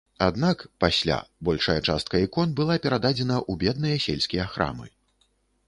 Аднак, пасля, большая частка ікон была перададзена ў бедныя сельскія храмы.